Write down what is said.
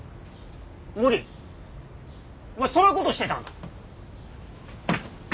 森お前そんな事してたんか？